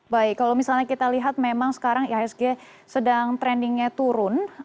baik kalau misalnya kita lihat memang sekarang ihsg sedang trendingnya turun